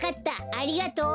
ありがとう。